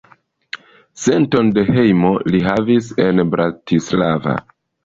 Senton de hejmo li havas en Bratislava.